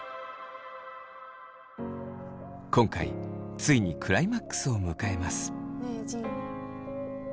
今回ついにクライマックスを迎えます。